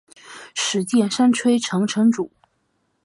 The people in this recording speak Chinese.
石见山吹城城主。